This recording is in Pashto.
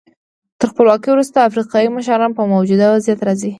تر خپلواکۍ وروسته افریقایي مشران په موجوده وضعیت راضي وو.